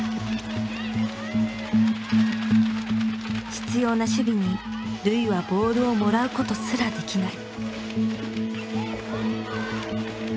執ような守備に瑠唯はボールをもらうことすらできない。